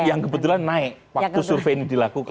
yang kebetulan naik waktu survei ini dilakukan